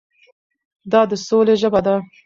دا د سولې ژبه ده.